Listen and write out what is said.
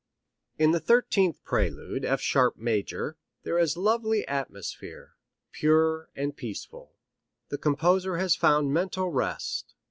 In the thirteenth prelude, F sharp major, here is lovely atmosphere, pure and peaceful. The composer has found mental rest.